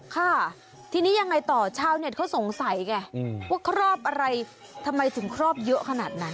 ค่ะทีนี้ยังไงต่อชาวเน็ตเขาสงสัยไงว่าครอบอะไรทำไมถึงครอบเยอะขนาดนั้น